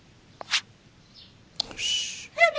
よし。